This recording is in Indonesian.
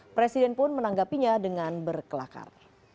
presiden pun menanggapinya dengan berkelakar